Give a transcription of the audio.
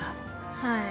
はい。